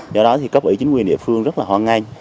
do đó thì cấp ủy chính quyền địa phương rất là hoan nghênh